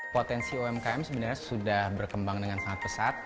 potensi umkm sebenarnya sudah berkembang dengan sangat pesat